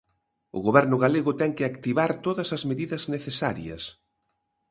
O Goberno galego ten que activar todas as medidas necesarias.